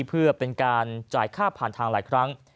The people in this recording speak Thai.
เพื่อเป็นการจ่ายค่าผ่านทางหลายครั้ง